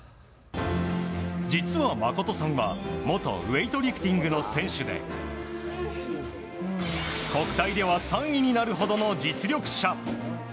実は誠さんは元ウエイトリフティングの選手で国体では３位になるほどの実力者。